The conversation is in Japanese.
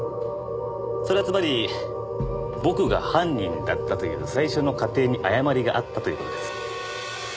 それはつまり僕が犯人だったという最初の仮定に誤りがあったという事です。